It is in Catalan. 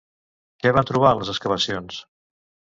Què van trobar en les excavacions?